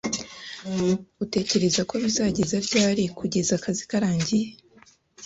Utekereza ko bizageza ryari kugeza akazi karangiye?